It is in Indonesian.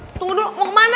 eh tunggu dulu mau kemana